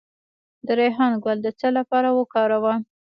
د ریحان ګل د څه لپاره وکاروم؟